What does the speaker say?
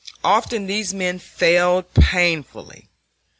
Often these men failed painfully.